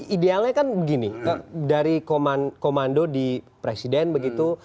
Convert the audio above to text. idealnya kan begini dari komando di presiden begitu